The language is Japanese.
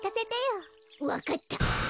わかった。